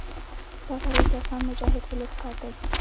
دا کار اوس د افغان مجاهد ولس کار دی.